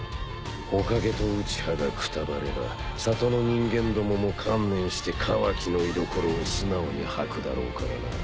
火影とうちはがくたばれば里の人間どもも観念してカワキの居所を素直に吐くだろうからな。